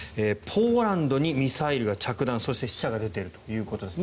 ポーランドにミサイルが着弾そして死者が出ているということです。